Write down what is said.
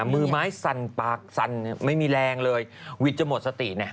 มือไม้สั่นปากสั่นไม่มีแรงเลยวิทย์จะหมดสติเนี่ย